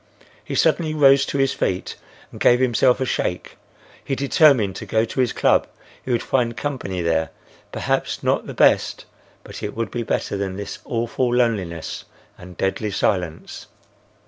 He suddenly rose to his feet and gave himself a shake. He determined to go to his club; he would find company there,—perhaps not the best, but it would be better than this awful loneliness and deadly silence.